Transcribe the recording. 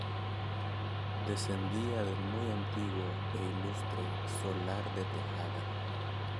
Descendía del muy antiguo e ilustre Solar de Tejada.